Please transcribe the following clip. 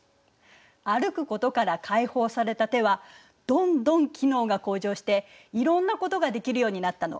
歩くことから解放された手はどんどん機能が向上していろんなことができるようになったの。